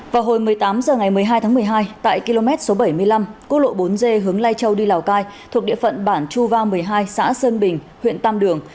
vào hồi một mươi tám h ngày một mươi hai tháng một mươi hai tại km số bảy mươi năm quốc lộ bốn d hướng lai châu đi lào cai thuộc địa phận bản chu va một mươi hai xã sơn bình huyện tam đường